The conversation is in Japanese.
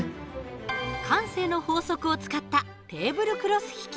慣性の法則を使ったテーブルクロス引き。